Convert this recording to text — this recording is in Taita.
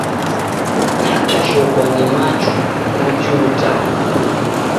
Nikajhokwa ni machu, kujuta!